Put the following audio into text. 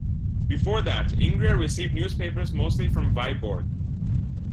Before that Ingria received newspapers mostly from Viborg.